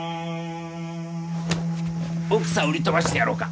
奥さん売り飛ばしてやろうか？